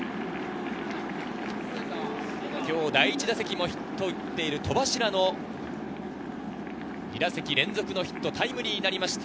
今日第１打席もヒットを打っている戸柱の２打席連続、タイムリーになりました。